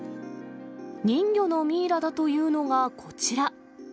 人魚のミイラだというのがこちら。